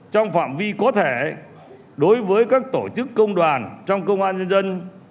trong phạm vi có thể đối với các tổ chức công đoàn trong công an nhân dân